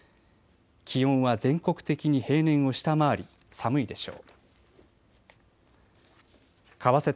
気温は全国的に平年を下回り寒いでしょう。